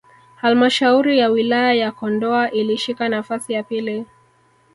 halmshauri ya wilaya ya Kondoa ilishika nafasi ya pili